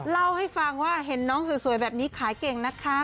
เล่าให้ฟังว่าเห็นน้องสวยแบบนี้ขายเก่งนะคะ